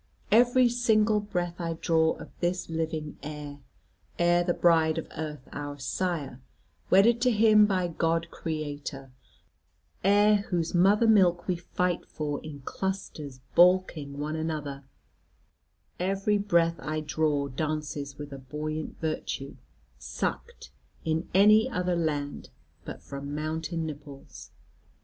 Every single breath I draw of this living air air the bride of earth our sire, wedded to him by God Creator, air whose mother milk we fight for in clusters baulking one another every breath I draw dances with a buoyant virtue, sucked, in any other land, but from mountain nipples.